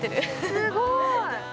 すごい。